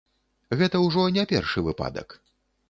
Гэта ўжо не першы выпадак.